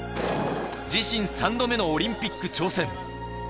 自身３度目のオリンピックに挑戦。